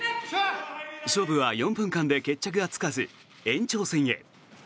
勝負は４分間で決着がつかず延長戦へ。